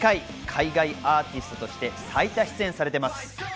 海外アーティストとして最多出演されています。